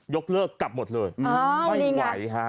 ยกเลิกกลับหมดเลยไม่ไหวฮะ